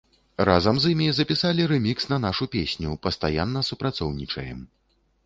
Разам з імі запісалі рэмікс на нашу песню, пастаянна супрацоўнічаем.